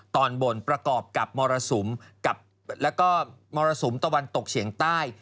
ตอนบนประกอบกับมรสุมแล้วก็มรสุมตะวันตกเฉียงใต้